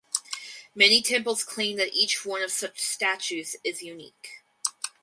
Many temples claim that each one of such statues is unique.